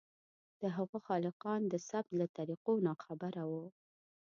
د هغو خالقان د ثبت له طریقو ناخبره وو.